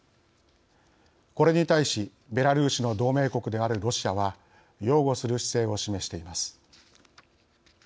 これに対しベラルーシの同盟国であるロシアは擁護する姿勢を示しています。